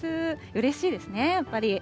うれしいですね、やっぱり。